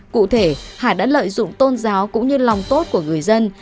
cụ thể hải đã lợi dụng tôn giáo cũng như lòng tốt của người dân